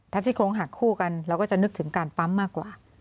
ถ้าซี่โครงหักคู่กันเราก็จะนึกถึงการปั๊มมากกว่า